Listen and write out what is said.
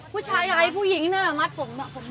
ผู้ชายขายผู้หญิงหน้ามัดผมดอกผมยาว